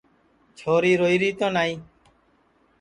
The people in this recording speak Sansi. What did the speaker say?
چھوری روئیری تو نائی